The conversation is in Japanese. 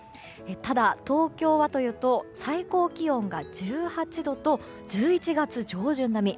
ただ、東京はというと最高気温が１８度と１１月上旬並み。